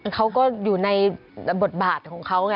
เขาก็อยู่ในบทบาทของเขาไง